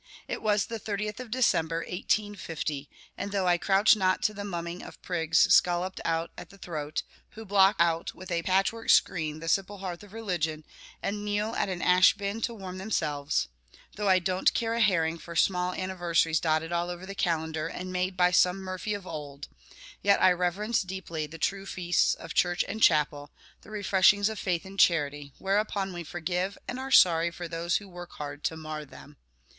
It was the 30th of December, 1850, and, though I crouch not to the mumming of prigs scolloped out at the throat, who block out with a patchwork screen the simple hearth of religion, and kneel at an ashbin to warm themselves; though I don't care a herring for small anniversaries dotted all over the calendar, and made by some Murphy of old; yet I reverence deeply the true feasts of Church and Chapel, the refreshings of faith and charity, whereupon we forgive and are sorry for those who work hard to mar them.